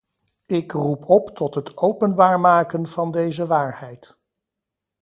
Ik roep op tot het openbaar maken van deze waarheid!